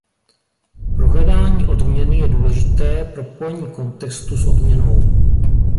Pro hledání odměny je důležité propojení kontextu s odměnou.